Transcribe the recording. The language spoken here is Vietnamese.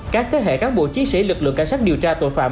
các thế hệ cán bộ chiến sĩ lực lượng cảnh sát điều tra tội phạm